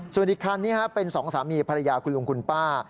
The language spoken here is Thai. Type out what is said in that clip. ส่วนอีกคันนี้เป็นสองสามีภรรยาคุณลุงคุณป้า